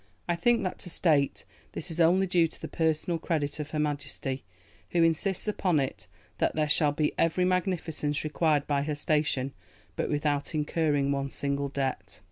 I think that to state this is only due to the personal credit of Her Majesty, who insists upon it that there shall be every magnificence required by her station, but without incurring one single debt."